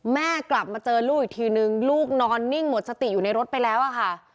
แม่กลับมาเจอลูกอีกทีนึงลูกนอนนิ่งหมดสติอยู่ในรถไปแล้วอะค่ะ